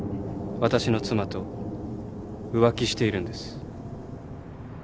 私の妻と浮気しているんです。